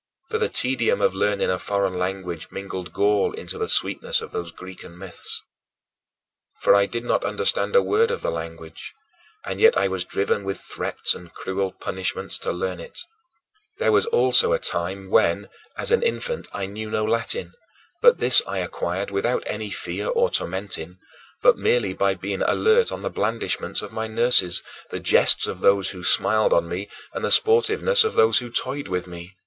For the tedium of learning a foreign language mingled gall into the sweetness of those Grecian myths. For I did not understand a word of the language, and yet I was driven with threats and cruel punishments to learn it. There was also a time when, as an infant, I knew no Latin; but this I acquired without any fear or tormenting, but merely by being alert to the blandishments of my nurses, the jests of those who smiled on me, and the sportiveness of those who toyed with me.